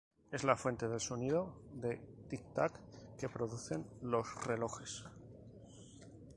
Es la fuente del sonido de "tic tac" que producen los relojes.